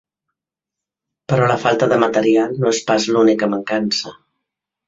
Però la falta de material no és pas l’única mancança.